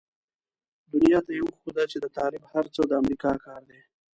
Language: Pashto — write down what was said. دنيا ته يې وښوده چې د طالب هر څه د امريکا کار دی.